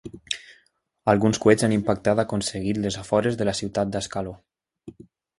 Alguns coets han impactat aconseguit les afores de la ciutat d'Ascaló.